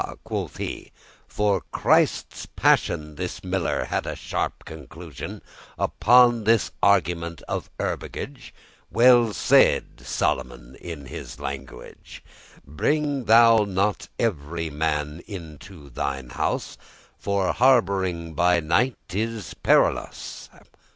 quoth he, "for Christes passion, This Miller had a sharp conclusion, Upon this argument of herbergage.* *lodging Well saide Solomon in his language, Bring thou not every man into thine house, For harbouring by night is perilous.